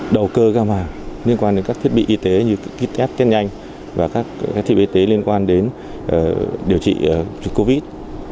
đầu cơ cao mà liên quan đến các thiết bị y tế như ký test chân nhanh và các thiết bị y tế liên quan đến điều trị covid